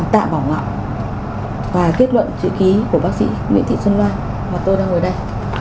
tạ bảo ngọc và kết luận chữ ký của bác sĩ nguyễn thị xuân loan và tôi đang ngồi đây